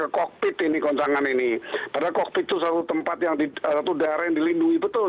ke kokpit ini koncangan ini pada kokpit selalu tempat yang di satu daerah yang dilindungi betul